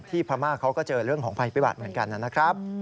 พม่าเขาก็เจอเรื่องของภัยพิบัติเหมือนกันนะครับ